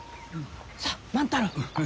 さあ万太郎。